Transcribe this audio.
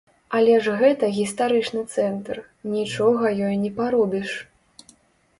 Але ж гэта гістарычны цэнтр, нічога ёй не паробіш.